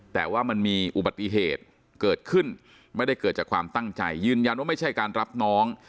แต่ว่ามันมีอุบัติเหตุเกิดขึ้นไม่ได้เกิดจากความตั้งใจยืนยันว่าไม่ใช่การรับน้อง